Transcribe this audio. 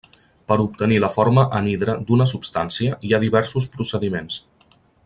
Per obtenir la forma anhidra d'una substància hi ha diversos procediments.